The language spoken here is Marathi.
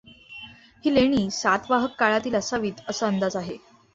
ही लेणी सातवाहन काळातील असावीत असा अंदाज आहे.